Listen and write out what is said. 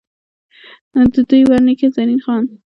ددوي ور نيکۀ، زرين خان ،